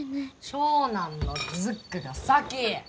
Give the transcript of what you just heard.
長男のズックが先！